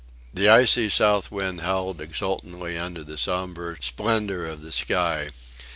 The icy south wind howled exultingly under the sombre splendour of the sky.